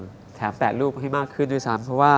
แถมแปะรูปให้มากขึ้นด้วยซ้ำเพราะว่า